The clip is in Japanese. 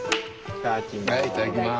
いただきます。